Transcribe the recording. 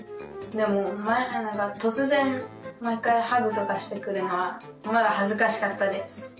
でも突然毎回ハグとかして来るのはまだ恥ずかしかったです。